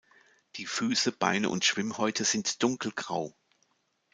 Die Füße, Beine und Schwimmhäute sind dunkelgrau.